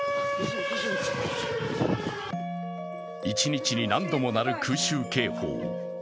一日に何度も鳴る空襲警報。